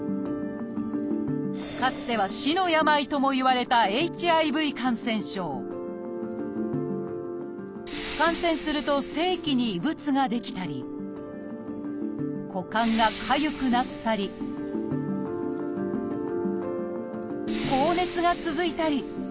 かつては死の病ともいわれた「ＨＩＶ感染症」感染すると性器に異物が出来たり股間がかゆくなったり高熱が続いたり。